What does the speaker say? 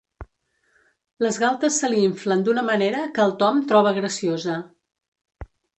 Les galtes se li inflen d'una manera que el Tom troba graciosa.